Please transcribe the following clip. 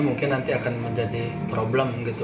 mungkin nanti akan menjadi problem gitu